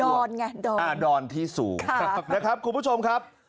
อนไงดอนอ่าดอนที่สูงครับนะครับคุณผู้ชมครับ